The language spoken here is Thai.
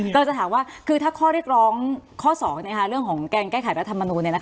เราจะถามว่าคือถ้าข้อเรียกร้องข้อ๒เรื่องของการแก้ไขรัฐมนูล